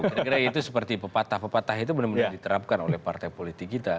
kira kira itu seperti pepatah pepatah itu benar benar diterapkan oleh partai politik kita